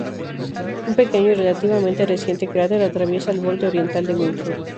Un pequeño y relativamente reciente cráter atraviesa el borde oriental de Winkler.